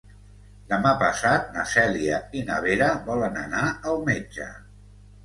Demà passat na Cèlia i na Vera volen anar al metge.